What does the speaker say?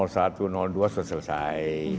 satu dua sudah selesai